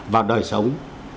vào đời sống